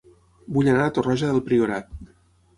Vull anar a Torroja del Priorat